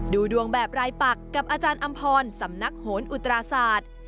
ดูดวงแบบรายปักกับอาจารย์อำพรสำนักโหนอุตราศาสตร์